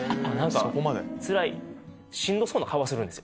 つらいしんどそうな顔はするんですよ。